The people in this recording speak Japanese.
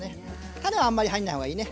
種はあんまり入んないほうがいいね。